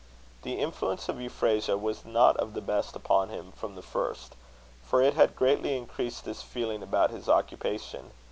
The influence of Euphrasia was not of the best upon him from the first; for it had greatly increased this feeling about his occupation.